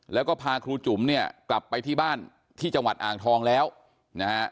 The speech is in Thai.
แล้วก็พาครูจุ๋มเนี่ยกลับไปที่บ้านที่จังหวัดอ่างทองแล้วนะฮะ